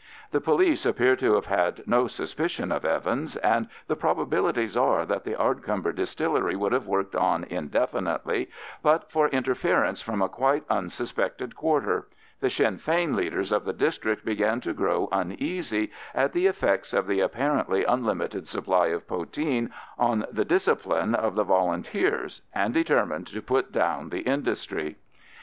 The police appear to have had no suspicion of Evans, and the probabilities are that the Ardcumber distillery would have worked on indefinitely but for interference from a quite unsuspected quarter. The Sinn Fein leaders of the district began to grow uneasy at the effects of the apparently unlimited supply of poteen on the discipline of the Volunteers, and determined to put down the industry.